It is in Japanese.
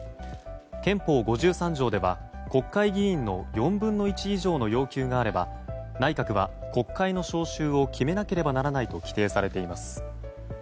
憲法５３条では国会議員の４分の１以上の要求があれば内閣は国会の召集を決めなければならないと規定されています。